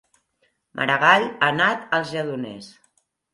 Maragall ha anat als Lledoners